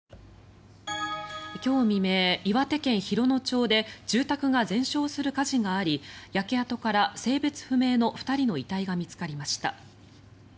今日未明、岩手県洋野町で住宅が全焼する火事があり焼け跡から性別不明の２人の遺体が見つかりました。